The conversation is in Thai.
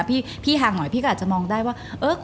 พี่ห่างหน่อยพี่ก็อาจจะมองได้ว่า